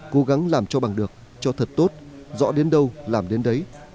cố gắng làm cho bằng được cho thật tốt rõ đến đâu làm đến đấy